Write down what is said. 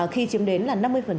khi chiếm đến là năm mươi